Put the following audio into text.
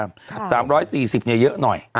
๓๔๐บาทนี่เยอะหน่อย